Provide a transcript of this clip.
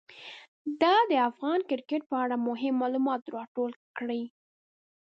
ده د افغان کرکټ په اړه مهم معلومات راټول کړي.